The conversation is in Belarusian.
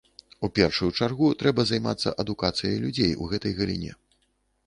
У першую чаргу, трэба займацца адукацыяй людзей у гэтай галіне.